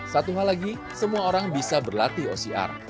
satu hal lagi semua orang bisa berlatih ocr